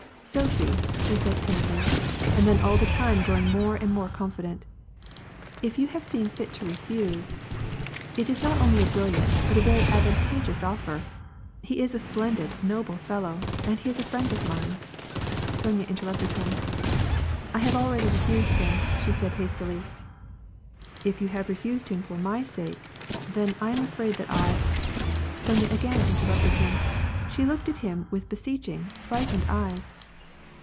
" Sophie," said he timidly, and then all the time growi; « more and more confident. " If you have seen fit to refuse—' f is not only a brilliant, but a very advantageous offer; he is a i splendid, noble fellow ; and he is a friend of mine." Sonya interrupted him. " I have already refused him," said she, hastily. '^ If you have refused him for my sake, then I am afraid that I "— Sonya again interrupted him. She looked at him with be seeching, frightened eyes.